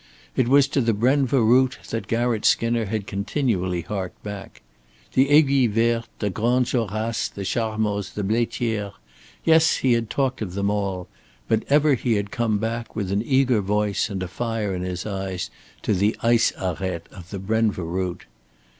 It was to the Brenva route that Garratt Skinner had continually harked back. The Aiguille Verte, the Grandes Jorasses, the Charmoz, the Blaitière yes, he had talked of them all, but ever he had come back, with an eager voice and a fire in his eyes, to the ice arête of the Brenva route.